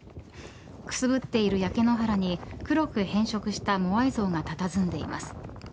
くすぶっている焼け野原に黒く変色したモアイ像がたたずんでいます。